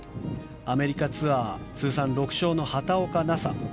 アメリカツアー通算６勝の畑岡奈紗。